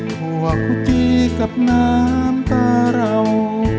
หัวคุกจีกับน้ำตาเรา